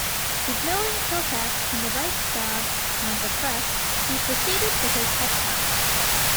Ignoring protests in the Reichstag and the press, he proceeded with his head count.